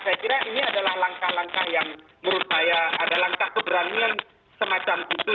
saya kira ini adalah langkah langkah yang menurut saya ada langkah keberanian semacam itu